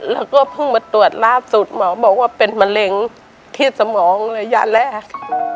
แล้วก็เพิ่งมาตรวจล่าสุดหมอบอกว่าเป็นมะเร็งที่สมองระยะแรก